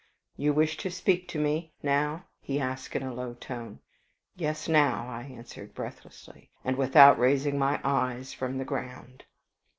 "You wish to speak to me? now?" he asked in a low tone. "Yes; now," I answered, breathlessly, and without raising my eyes from the ground.